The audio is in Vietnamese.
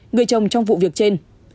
người chồng trong vụ việc trên